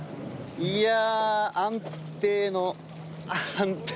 いや安定の。